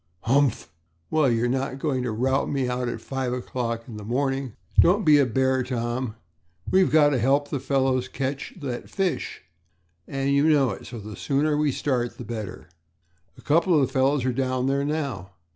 "Humph! Well, you're not going to rout me out at five o'clock in the morning." "Don't be a bear, Tom. We've got to help the fellows catch that fish and you know it, so the sooner we start the better. A couple of the fellows are down there now."